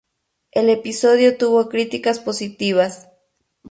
El episodio tuvo críticas positivas.